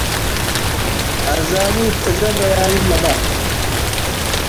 አዛኒት፣ እዘን ረያይም ለበ ።